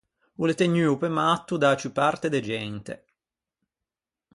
O l’é tegnuo pe matto da-a ciù parte de gente.